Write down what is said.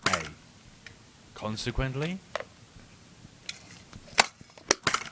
A :" Consequently— ?